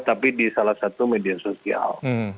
tapi di salah satu media sosial